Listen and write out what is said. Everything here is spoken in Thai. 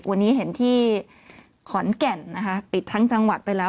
วันนี้เห็นที่ขอนแก่นนะคะปิดทั้งจังหวัดไปแล้ว